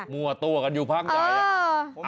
มั่วตัวกันอยู่พักใหญ่